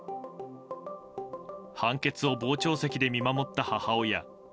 判決を傍聴席で見守った母親。